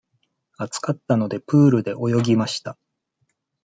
暑かったので、プールで泳ぎました。